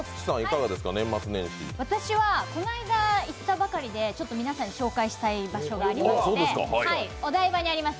私はこの間、行ったばかりで皆さんに紹介したい場所がありましてお台場にあります